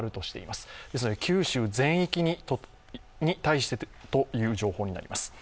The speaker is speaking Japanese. ですので、九州全域に対してという情報になります。